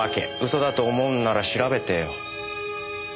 嘘だと思うんなら調べてよ。